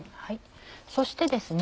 そしてですね